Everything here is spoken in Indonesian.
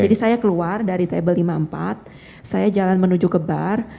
jadi saya keluar dari table lima puluh empat saya jalan menuju ke bar